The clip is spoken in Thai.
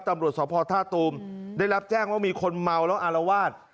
ตำรวจสพท่าตูมได้รับแจ้งว่ามีคนเมาแล้วอารวาส